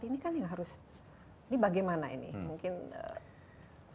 ini kan yang harus ini bagaimana ini mungkin